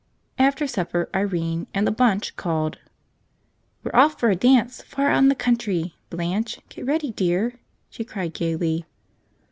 After supper Irene and the "bunch" called. "We're off for a dance far out in the country, Blanche. Get ready, dear!" she cried gaily.